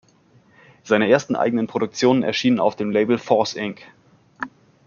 Seine ersten eigenen Produktionen erschienen auf dem Label "Force Inc.